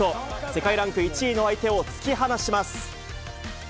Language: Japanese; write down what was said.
世界ランク１位の相手を突き放します。